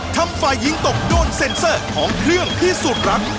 ทำฟ่ายหญิงตกโดนเซ็นเซอร์ของเครื่องที่สุดรัก